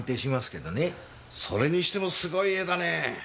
それにしてもすごい絵だねえ。